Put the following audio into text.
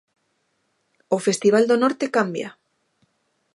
O Festival do Norte cambia.